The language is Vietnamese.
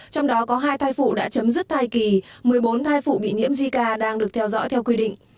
trong đó có hai thai phụ đã chấm dứt thai kỳ một mươi bốn thai phụ bị nhiễm zika đang được theo dõi theo quy định